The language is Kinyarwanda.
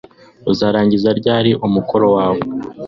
Uzarangiza ryari umukoro wawe